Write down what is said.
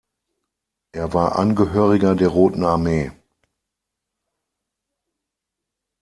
Er war Angehöriger der Roten Armee.